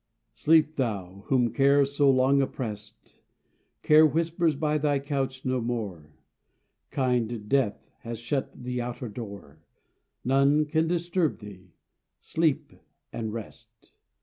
SLEEP, thou, whom Care so long oppressed. Care whispers by thy couch no more. Kind Death has shut the outer door; None can disturb thee, sleep and rest.